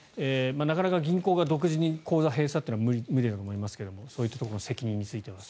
なかなか銀行が独自に口座閉鎖ということは無理だと思いますがそういったところの責任については。